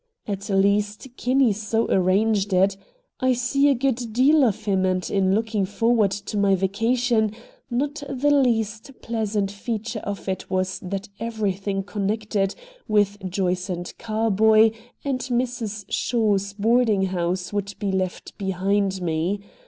At least Kinney so arranged it. I see a good deal of him, and in looking forward to my vacation, not the least pleasant feature of it was that everything connected with Joyce & Carboy and Mrs. Shaw's boarding house would be left behind me.